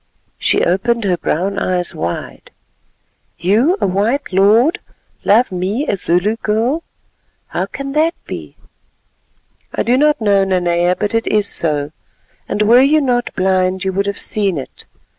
She opened her brown eyes wide. "You, a white lord, love me, a Zulu girl? How can that be?" "I do not know, Nanea, but it is so, and were you not blind you would have seen it.